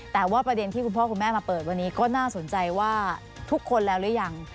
แต่ว่าประเด็นที่คุณพ่อคุณแม่มาเปิดวันนี้ก็น่าสนใจว่าทุกคนแล้วหรือยัง